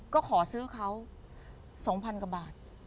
ก็ขอซื้อเขา๒๐๐๐กว่าบาท